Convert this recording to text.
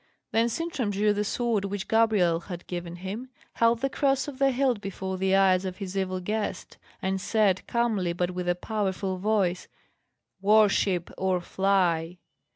Then Sintram drew the sword which Gabrielle had given him, held the cross of the hilt before the eyes of his evil guest, and said, calmly, but with a powerful voice, "Worship or fly!"